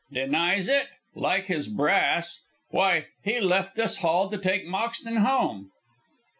"Denies it? Like his brass. Why, he left this hall to take Moxton home."